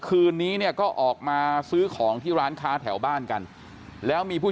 คืนนี้เนี่ยก็ออกมาซื้อของที่ร้านค้าแถวบ้านกันแล้วมีผู้